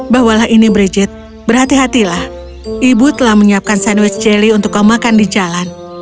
bawalah ini bridget berhati hatilah ibu telah menyiapkan sandwich jelly untuk kau makan di jalan